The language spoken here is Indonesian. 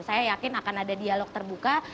saya yakin akan ada dialog terbuka